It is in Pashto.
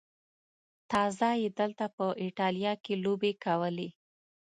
تازه یې دلته په ایټالیا کې لوبې کولې.